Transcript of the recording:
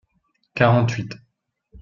quarante huit.